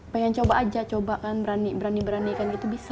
pengen coba aja coba kan berani berani kan gitu bisa